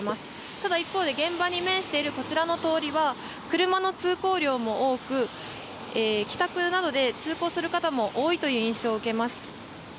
ただ一方で、現場に面しているこちらの通りは車の通行量も多く帰宅などで通行する方も多いという印象を受けます。